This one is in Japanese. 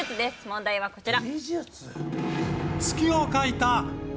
問題はこちら。